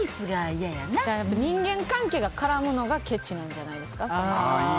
人間関係が絡むのがけちなんじゃないですか。